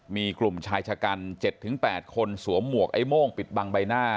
มีกลุ่มชายชะกัน๗๘คนสวมหมวกไอ้โม่งปิดบังใบหน้า